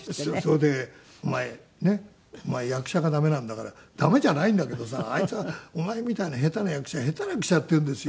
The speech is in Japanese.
それで「お前役者が駄目なんだから」。駄目じゃないんだけどさあいつは「お前みたいな下手な役者下手な役者」って言うんですよ。